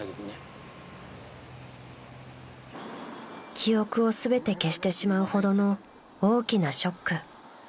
［記憶を全て消してしまうほどの大きなショック］